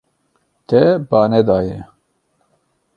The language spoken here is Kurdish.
Te ba nedaye.